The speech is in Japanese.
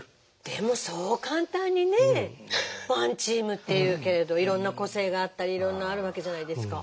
でもそう簡単にねえワン・チームって言うけれどいろんな個性があったりいろんなあるわけじゃないですか。